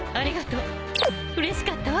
うれしかったわ。